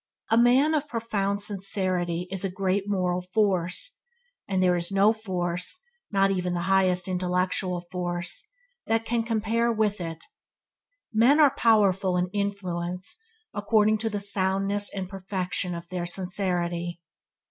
A man of profound sincerity is a great moral force, and there is no force – not even the highest intellectual force – that can compare with it. Men are powerful in influence according to the soundness and perfection of their sincerity.